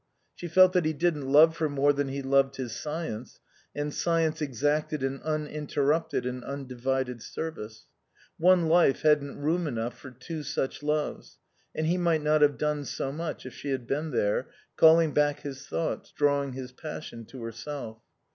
She felt that he didn't love her more than he loved his science, and science exacted an uninterrupted and undivided service. One life hadn't room enough for two such loves, and he might not have done so much if she had been there, calling back his thoughts, drawing his passion to herself.